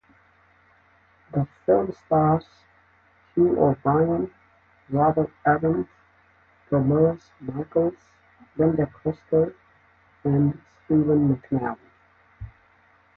The film stars Hugh O'Brian, Robert Evans, Dolores Michaels, Linda Cristal, and Stephen McNally.